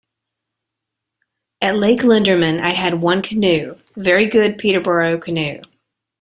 At Lake Linderman I had one canoe, very good Peterborough canoe.